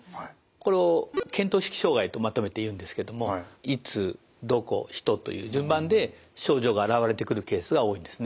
これを見当識障害とまとめていうんですけどもいつどこ人という順番で症状が現れてくるケースが多いんですね。